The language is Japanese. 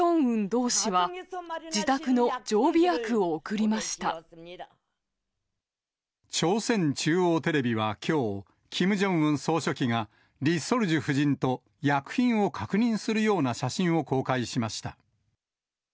同志は、朝鮮中央テレビはきょう、キム・ジョンウン総書記が、リ・ソルジュ夫人と薬品を確認するような写真を公開しました。